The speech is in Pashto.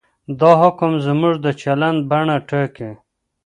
دا حکم زموږ د چلند بڼه ټاکي.